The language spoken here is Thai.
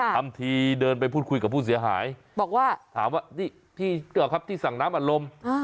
ทัมทีเดินไปพูดคุยกับผู้เสียหายถามว่านี่ที่สั่งน้ำอัดลม